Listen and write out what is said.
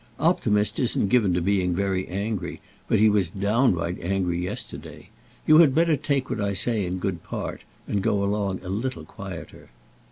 Optimist isn't given to being very angry, but he was downright angry yesterday. You had better take what I say in good part, and go along a little quieter."